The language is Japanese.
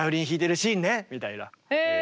へえ。